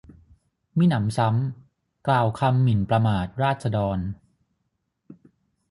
มิหนำซ้ำกล่าวคำหมิ่นประมาทราษฎร